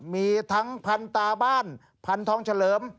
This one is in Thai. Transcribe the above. มีทั้งพันธุ์ตาบ้านพันธุ์ท้องเฉลิม